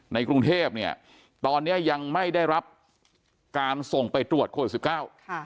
กรุงเทพเนี่ยตอนเนี้ยยังไม่ได้รับการส่งไปตรวจโควิดสิบเก้าค่ะ